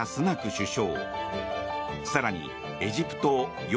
首相。